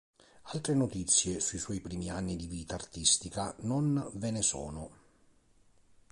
Altre notizie sui suoi primi anni di vita artistica non ve ne sono.